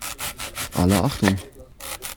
Alle Achtung!